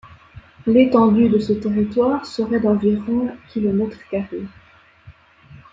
L'étendue de ce territoire serait d'environ kilomètres carrés.